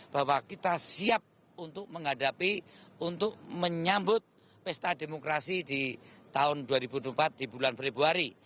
bahwa kita siap untuk menghadapi untuk menyambut pesta demokrasi di tahun dua ribu dua puluh empat di bulan februari